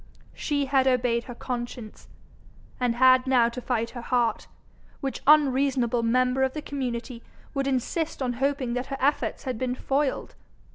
She had obeyed her conscience, and had now to fight her heart, which unreasonable member of the community would insist on hoping that her efforts had been foiled.